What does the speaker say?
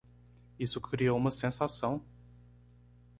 Isso criou uma sensação!